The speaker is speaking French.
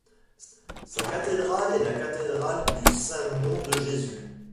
Sa cathédrale est la cathédrale du Saint-Nom-de-Jésus.